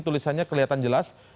tulisannya kelihatan jelas